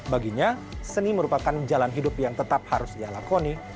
baginya seni merupakan jalan hidup yang tetap harus dialakoni